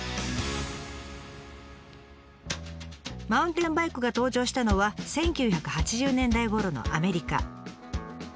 マウンテンバイクが登場したのは１９８０年代ごろのアメリカ。